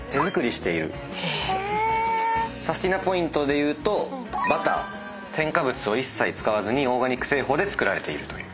ＰＯＩＮＴでいうとバター添加物を一切使わずにオーガニック製法で作られていると。